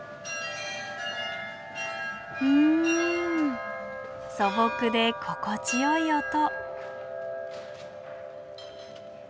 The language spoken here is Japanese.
うん素朴で心地よい音。